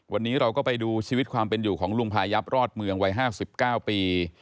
วันนี้เราก็ไปดูชีวิตความเป็นอยู่ของลุงพายับรอดเมืองวัย๕๙ปี